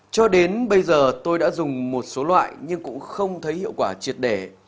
cho đến bây giờ tôi đã dùng một số loại nhưng cũng không thấy hiệu quả triệt để